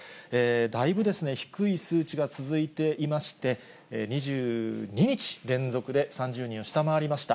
だいぶ低い数値が続いていまして、２２日連続で３０人を下回りました。